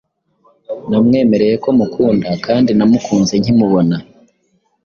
Namwemereye ko mukunda kandi namukunze nkimubona